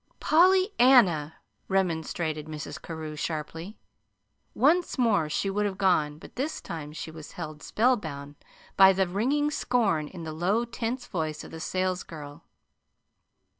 "PollyANNA!" remonstrated Mrs. Carew, sharply. Once more she would have gone, but this time she was held spellbound by the ringing scorn in the low, tense voice of the salesgirl.